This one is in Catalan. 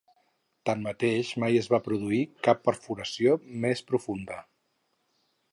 Tanmateix, mai no es va produir cap perforació més profunda.